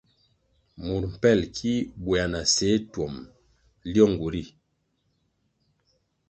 Mur mpel ki bwea na seh twom lyongu ri.